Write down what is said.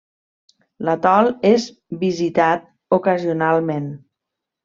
L'atol és visitat ocasionalment.